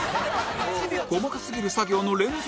細かすぎる作業の連続